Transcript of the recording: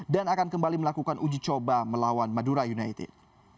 dan akan kembali melakukan uji coba melawan madura united